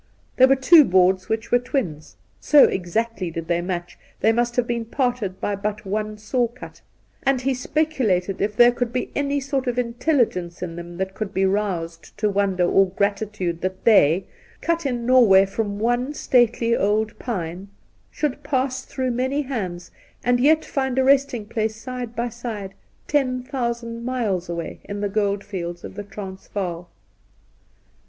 There were two boards which were twins ; so exactly did they match, they must have been parted by but one saw cut ; and he speculated if there could be 'any sort of intelligence in them that could be roused to wonder or gratitude that they, cut in Norvjsray from one stately old pine, should pass through many hands and yet find a resting place side by side ten thousand miles away in the gold fields of the Transvaal.